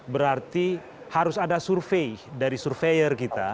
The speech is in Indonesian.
berarti harus ada survei dari surveyor kita